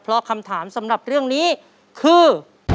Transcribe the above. เพราะคำถามสำหรับเรื่องนี้คือ